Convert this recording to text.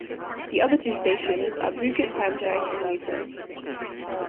The other two stations are Bukit Panjang and Newton.